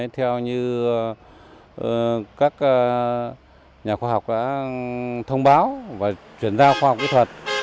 theo như các nhà khoa học đã thông báo và chuyển giao khoa học kỹ thuật